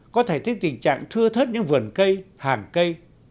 có thể thấy tình trạng thưa thất những vườn cây hàng cây